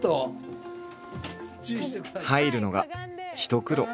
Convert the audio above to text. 入るのが一苦労。